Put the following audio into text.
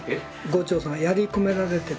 牛腸さんやり込められてる。